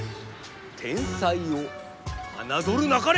天才をあなどるなかれ！